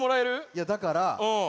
いやだから。